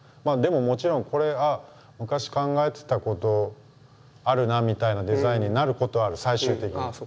でももちろんこれ昔考えてたことあるなみたいなデザインになることはある最終的に。